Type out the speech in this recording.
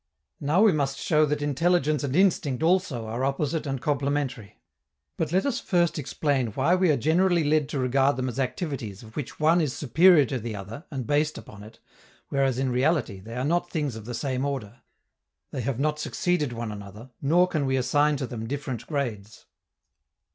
Now we must show that intelligence and instinct also are opposite and complementary. But let us first explain why we are generally led to regard them as activities of which one is superior to the other and based upon it, whereas in reality they are not things of the same order: they have not succeeded one another, nor can we assign to them different grades.